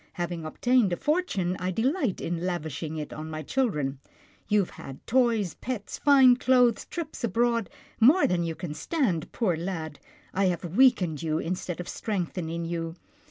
Having obtained a fortune, I delight in lavishing it on my children. You have had toys, pets, fine clothes, trips abroad — more than you can stand, poor lad. I have weakened you, instead of strengthening you.